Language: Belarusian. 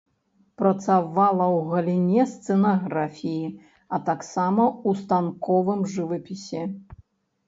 Працавала ў галіне сцэнаграфіі, а таксама ў станковым жывапісе.